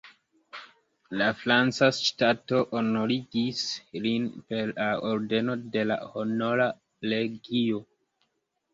La franca ŝtato honorigis lin per la ordeno de la Honora Legio.